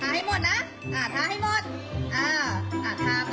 ทาให้หมดนะทาให้หมด